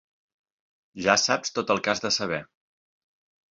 Ja saps tot el que has de saber.